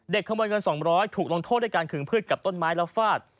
ขโมยเงิน๒๐๐ถูกลงโทษด้วยการขึงพืชกับต้นไม้แล้วฟาด